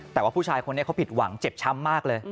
แต่ว่าผู้ชายคนนี้เขาผิดหวังเจ็บช้ำมากเลย